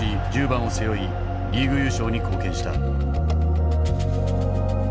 １０番を背負いリーグ優勝に貢献した。